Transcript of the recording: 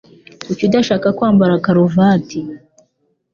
Kuki udashaka kwambara karuvati